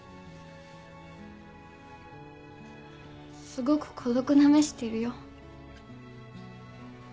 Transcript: すごく孤独な目してるよ。